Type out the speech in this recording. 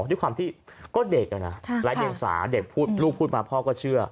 ด้วยความที่ก็เด็กนะแหละเด็กสาเด็กพูดลูกพูดมาพ่อก็เชื่อ